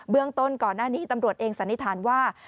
เรื่องต้นก่อนหน้านี้ตำรวจเองสันนิษฐานว่า